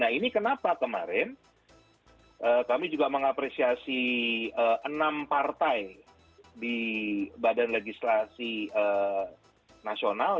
nah ini kenapa kemarin kami juga mengapresiasi enam partai di badan legislasi nasional